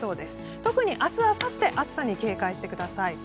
特に、明日あさって暑さに警戒してください。